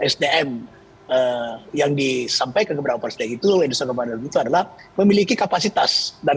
sdm yang disampaikan keberadaan itu indonesia kemarin itu adalah memiliki kapasitas dan